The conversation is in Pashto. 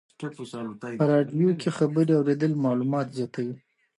په رادیو کې خبرې اورېدل معلومات زیاتوي.